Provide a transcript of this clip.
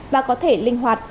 và có thể linh hoạt